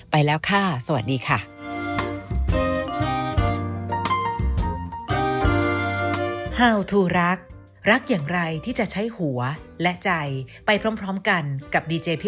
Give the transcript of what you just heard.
ไปแล้วค่ะสวัสดีค่ะ